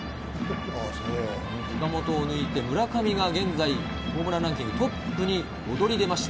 岡本を抜いて村上が現在ホームランランキングトップにおどり出ました。